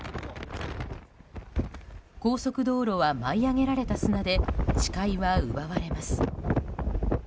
高速道路は、舞い上げられた砂で視界は奪われます。